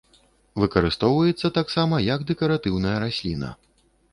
Выкарыстоўваецца таксама як дэкаратыўная расліна.